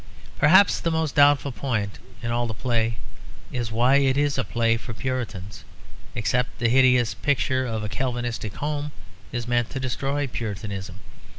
Perhaps the most doubtful point of all in the play is why it is a play for Puritans; except the hideous picture of a Calvinistic home is meant to destroy Puritanism.